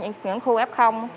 những khu f